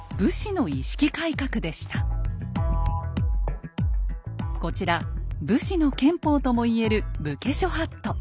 それはこちら武士の憲法とも言える「武家諸法度」。